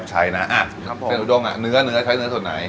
ใช้นะเส้นอุดงเนื้อเนื้อใช้เนื้อส่วนไหน